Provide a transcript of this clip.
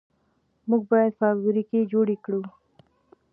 موږ باید فابریکې جوړې کړو.